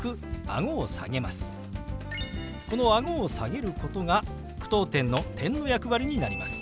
このあごを下げることが句読点の「、」の役割になります。